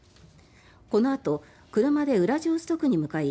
このあと車でウラジオストクに向かい